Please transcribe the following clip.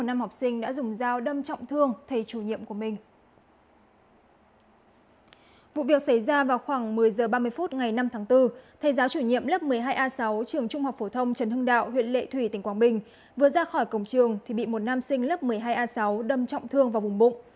vụ việc xảy ra vào khoảng một mươi h ba mươi phút ngày năm tháng bốn thầy giáo chủ nhiệm lớp một mươi hai a sáu trường trung học phổ thông trần hưng đạo huyện lệ thủy tỉnh quảng bình vừa ra khỏi cổng trường thì bị một nam sinh lớp một mươi hai a sáu đâm trọng thương vào vùng bụng